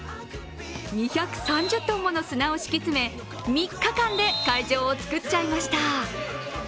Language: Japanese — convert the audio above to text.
２３０ｔもの砂を敷き詰め３日間で会場を作っちゃいました。